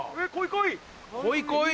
こいこい？